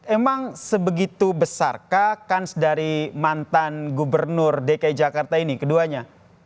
emang sebegitu besarkah kans dari mantan gubernur dki jakarta ini keduanya